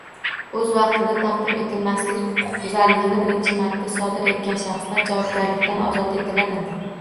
O‘z vaqtida taqdim etmaslik huquqbuzarligini birinchi marta sodir etgan shaxslar javobgarlikdan ozod etiladimi?